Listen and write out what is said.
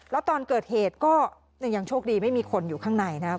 แล้วตอนเกิดเหตุก็ยังโชคดีไม่มีคนอยู่ข้างในนะครับ